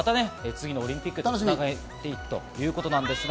次のオリンピックに繋がっていくということです。